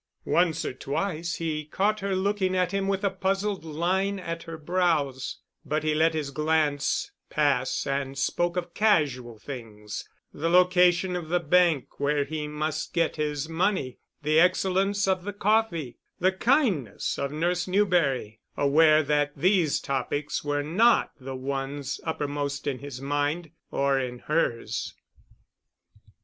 Once or twice he caught her looking at him with a puzzled line at her brows, but he let his glance pass and spoke of casual things, the location of the bank where he must get his money, the excellence of the coffee, the kindness of Nurse Newberry, aware that these topics were not the ones uppermost in his mind, or in hers.